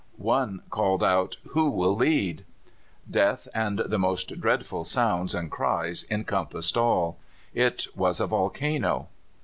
One called out, "Who will lead?" Death and the most dreadful sounds and cries encompassed all. It was a volcano!